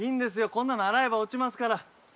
こんなの洗えば落ちますから。